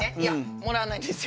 もらわないですよ。